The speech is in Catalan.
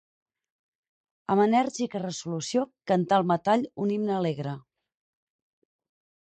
Amb enèrgica resolució canta el metall un himne alegre.